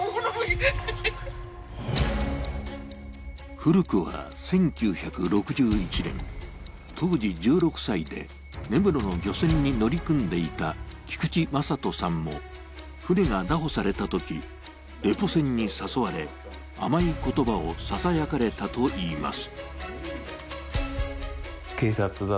古くは１９６１年、当時１６歳で根室の漁船に乗り組んでいた菊池正人さんも船が拿捕されたとき、レポ船に誘われ、甘い言葉をささやかれたといいます。